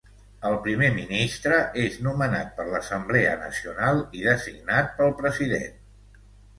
El primer ministre és nomenat per l'Assemblea Nacional i designat pel president.